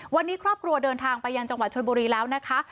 วันนี้ครอบครัวเดินทางไปยังจังหวัดชนบุรีแล้วนะคะ